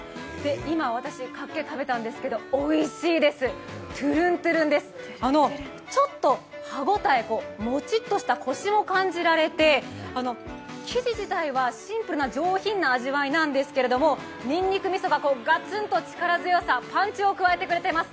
今私、かっけ食べたんですけどおいしいです、とぅるんとぅるんです、ちょっと歯応えももちっとした、コシも感じられて生地自体はシンプルな上品な味わいなんですけど、にんにくみそががつんと力強さ、パンチを加えてくれています。